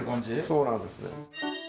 そうなんです。